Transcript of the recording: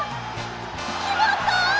きまった！